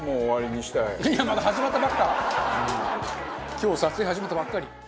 今日撮影始まったばっかり。